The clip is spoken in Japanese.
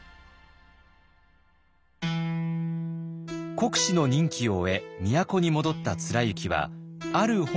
国司の任期を終え都に戻った貫之はある本を書き始めます。